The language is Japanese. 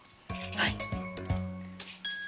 はい。